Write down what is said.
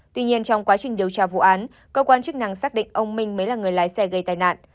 tuy nhiên trong quá trình điều tra vụ án cơ quan chức năng xác định ông minh mới là người lái xe gây tai nạn